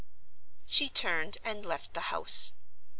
She turned and left the house.